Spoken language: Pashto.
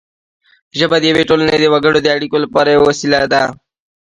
ژبه د یوې ټولنې د وګړو د اړیکو لپاره یوه وسیله ده